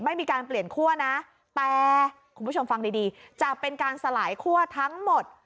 ไม่มีการเปลี่ยนคั่วนะแต่คุณผู้ชมฟังดีดีจะเป็นการสลายคั่วทั้งหมด